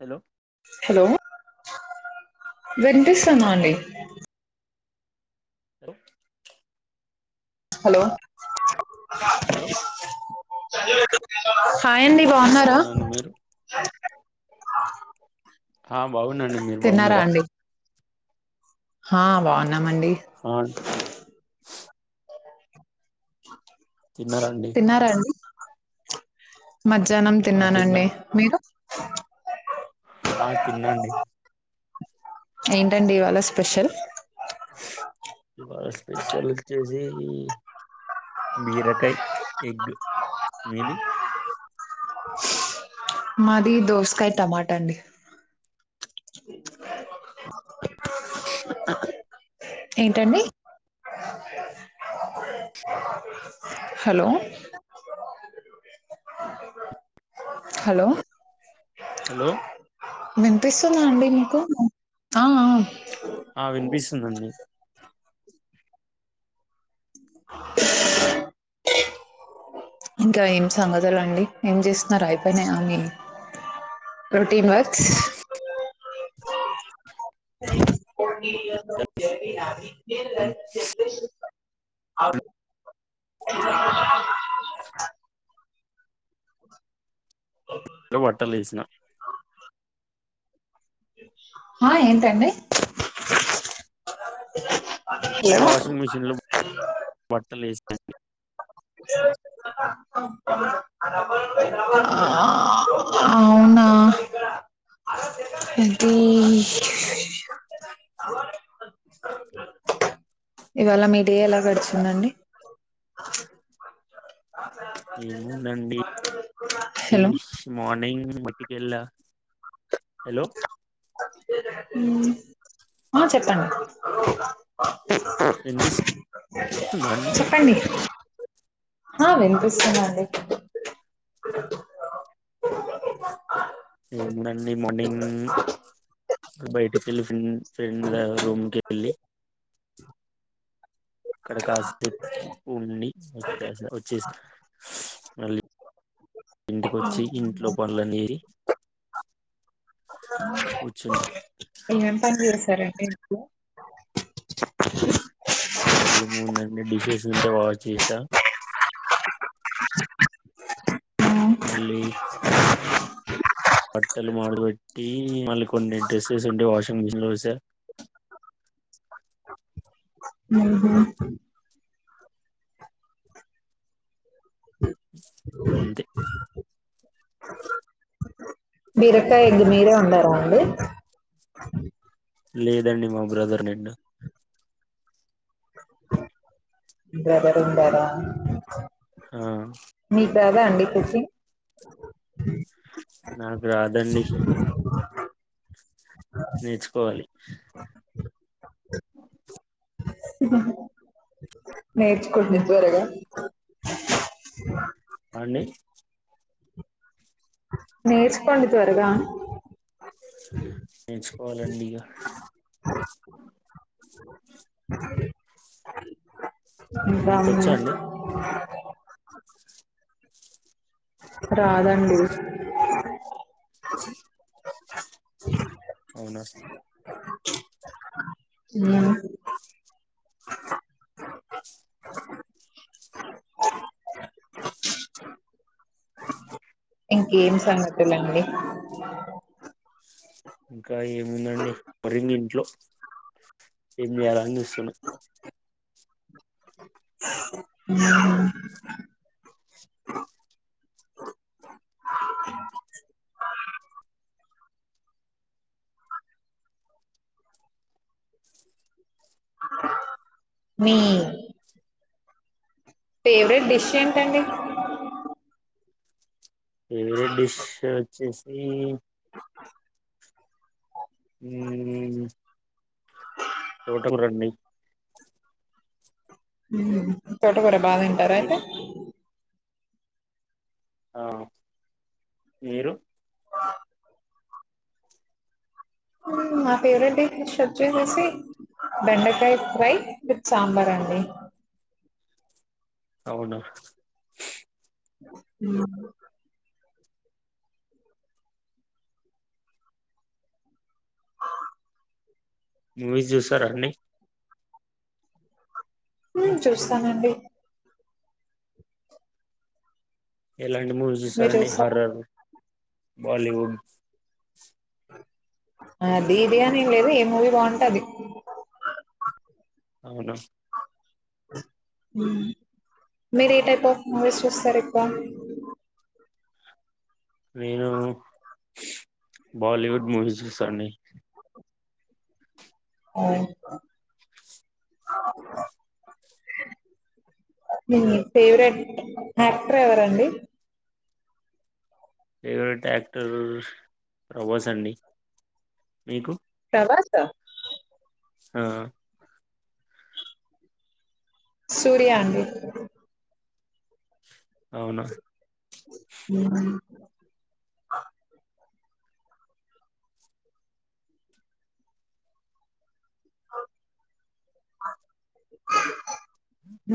Hello! Hello విన్పిసస్తుందా అండి. [unintelligible] Hello! Hello! Hi అండి ఆ బాగున్నరా? బాగున్నాండి హ బాగున్నా అండి మీరు బాగున్నరా హా బాగున్నామండి. ఆ తిన్నారా అండి తిన్నారా అండి. మధ్యాహ్నం ఆ తిన్నా తిన్నానండి మీరు ఆ తిన్నండి. ఏంటండి ఇవాళ స్పెషల్ ఇవాళ స్పెషల్ వచ్చేసీ బీరకాయ్ ఎగ్ మీది మాది దోస్కాయ్ టమాటా అండి. ఏంటండి? హలో! హలో! హలో! విన్పిస్తుందా అండి మీకు ఆ ఆ ఆ వినిపిస్తుందండి ఇంకా ఏం సంగతుల అండి ఏం చేస్తున్నారు అయిపోయినా మీ ప్రోటీన్ వర్క్స్ లో బట్టల్ ఏసిన ఆ ఏంటండి? ఇప్పుడే వాషింగ్ హలో మిషిన్ లో బట్టల్ ఏసి ఆ అవునా ఇదీ ఇవాళ మీ డే ఎలా గడిచింది అండీ ఏముందండి ఇ హలో మార్నింగ్ బట్టిక్ ఏళ్ల హలో ఉమ్ ఆ చెప్పండి విన్బిస్ చెప్పండి అ వినిపిస్తుందండి ఏముదండి మార్నింగ్ బయటికి వెళ్ళ ఫ్రెన్ ఫ్రెండ్ దగా రూమ్ కెళ్ళి అక్కడ కాసిప్ ఉండి వచ్చ వచ్చేస్తా మళ్ళి ఇంటి కొచ్చి ఇంట్లో పనుల లేరి కూచున్న ఎం పని చేసారండి ఇంట్లొ ఏముందండి డిషెస్ ఉంటే వాష్ చేసా ఉమ్. మళ్లీ బట్టలు మాడబెట్టి మళ్ళీ కొన్ని డ్రెస్సెస్ ఉండే వాషింగ్ మిషన్ లో వే సా ఉహు అంతే బిరకాయ ఎగ్ మీరే వండరాండి లేదండి మా బ్రదర్ అండిడు మీ బ్రదర్ వండర హ రాదా అండి కుక్కింగ్ నాకు రాదండి నేర్చుకోవాలి నేర్చుకొండి త్వరగా అండి నేర్చుకోండిత్వరగా నేర్చుకోవాలండి ఇగా ఇంకా అండీ మీకొచ్చా అండి రాదండి అవున ఉమ్ ఇంకేం సంగతులండి ఇంకా ఏముందండి వరింగ్ ఇంట్లో ఏమి చేయాలనిచుస్తున్నా మీ ఫేవరెట్ డిష్ ఏంటండి ఫేవరెట్ డిష్ వచ్చేసి ఉమ్. తోటకూరండి. తోట కూర బాగా తింటార మీకు అయితే ఆ మీరు మా ఫేవరెట్ డిష్ ఓచ్చేసి. బెండకాయ ఫ్రై విత్ సాంబార్ అండి. అవునా. మూవీస్ చూస్తరా అండి. ఉమ్ చూస్తానండి. ఎలాంటి మూవీస్ మీరు చుస్తారండి చూస్తారా హర్రర్ బాలీవుడ్. అది ఇది అని ఎంలేదు ఏం మూవీ బాగుంటే అది. అవునా. ఉమ్ మీరు ఏ టైప్ ఆఫ్ మూవీస్ చూస్తారు ఎక్కువ. నేను బాలీవుడ్ మూవీస్ చూస్తా అండి. ఉమ్. మీ ఫేవరెట్ యాక్టర్ ఎవరండి. ఫేవరెట్ యాక్టర్ ప్రభాస్ అండి మీకు. ప్రభాస. ఆహ్. సూర్య అండి. అవునా. ఉమ్మ్.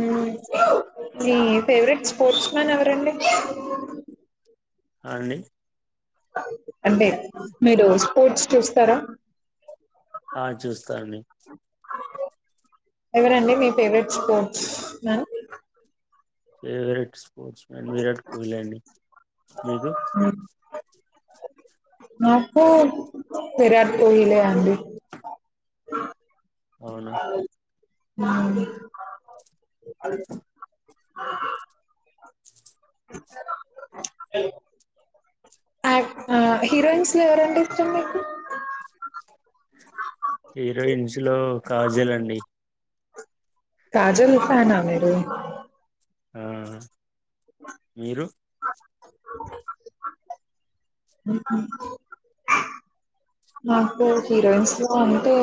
ఉమ్ ఆహ్. మీ ఫేవరెట్ స్పోర్ట్స్ మ్యాన్ ఎవరండి. అండి. [unintelligible] అంటే మీరు స్పోర్ట్స్ చూస్తారా. ఆహ్ చూస్తానండి ఎవరండి మీ favourite sportsman. Favourite sportsman Virat Kohli అండి మీకు. నాకా విరాట్ కోహ్లీలే అండి. అవునా. ఉమ్. యాక్ట్ ఆహ్ హీరోయిన్స్ లో ఎవరంటే ఇష్టం మీకు. హీరోయిన్స్ లో కాజల్ అండి. కాజల్ ఫ్యానా మీరు. ఉమ్ మీరు. ఉమ్ ఉమ్. నాకు హీరోయిన్స్ లో అంటే.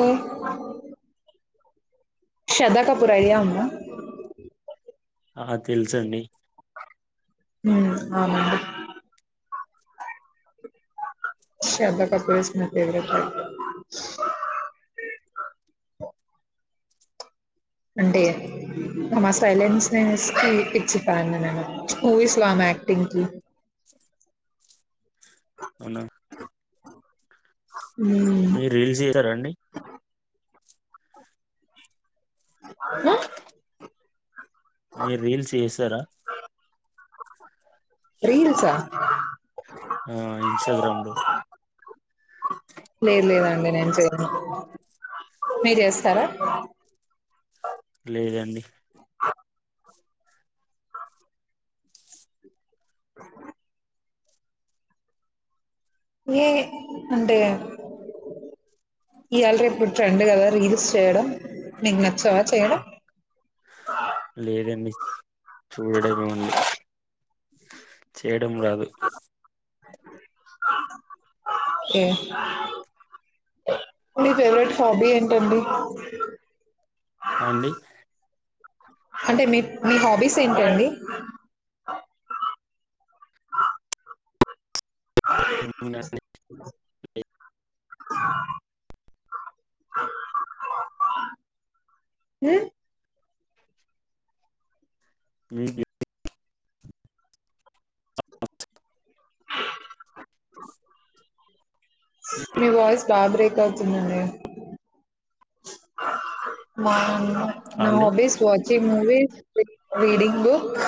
శ్రద్ధకపూర్ ఐడియా ఉందా. ఆహ్ తెలుసు అండి. ఉమ్ ఆమె అండి. శ్రద్ధా కాపూర్ ఇస్ నా ఫవరెట్ అండి. అంటే ఆమే సైలెన్స్ కి నేను పి పిచ్చి ఫ్యాన్ ని నేను అనమాట మూవీస్ లో ఆమె. యాక్టింగ్ కి. అవునా హ్మ్ మీ రీల్స్ చేసారా అండి ఉమ్ మీర్ రీల్స్ చేస్తారా రీల్స్ ఆహ్. ఆహ్ ఇన్స్టాగ్రామ్ లో. లేదు లేదండి నేను చేయను మీరు చేస్తారా. లేదండి. ఏ అంటే ఇయాల రేపు ట్రెండ్ కదా రీల్స్ చేయడం నీకు నచ్చవా చేయడం లేదండి చూడడమే ఉంది చేయడం రాదు కే మీ ఫేవరెట్ హాబీ ఏంటండి ఆండి అంటే మీ-మీ హాబీస్ ఏంటండి ఉమ్ మీకి మీ వాయిస్ బా బ్రేక్ అవుతుందండి నా అండి hobbies వాచిం T movies reading books